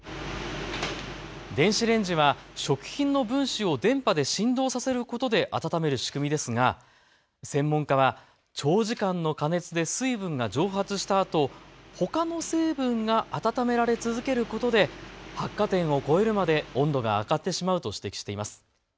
電子レンジは食品の分子を電波で振動させることで温める仕組みですが専門家は長時間の加熱で水分が蒸発したあとほかの成分が温められ続けることで発火点を超えるまで温度が上がってしまうと指摘しています。